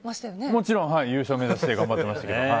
もちろん優勝目指して頑張ってますけど。